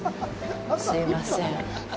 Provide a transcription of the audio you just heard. すいません。